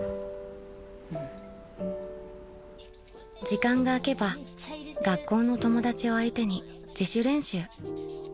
［時間が空けば学校の友達を相手に自主練習］